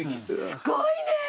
すごいね。